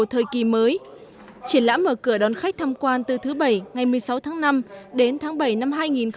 thời kỳ mới triển lãm mở cửa đón khách tham quan từ thứ bảy ngày một mươi sáu tháng năm đến tháng bảy năm hai nghìn hai mươi